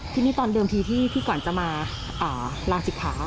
พี่นี่ตอนเดิมที่พี่ก่อนจะมาลางติดขา